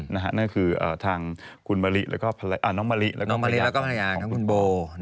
นั่นก็คือทางน้องมะลิแล้วก็ภรรยาแล้วก็คุณโบ